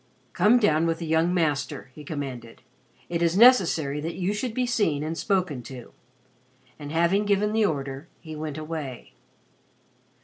"Come down with the young Master," he commanded. "It is necessary that you should be seen and spoken to." And having given the order he went away.